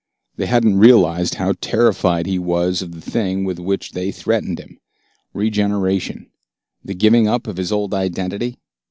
They hadn't realized how terrified he was of the thing with which they threatened him. Regeneration, the giving up of his old identity?